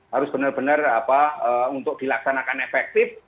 harus benar benar untuk dilaksanakan efektif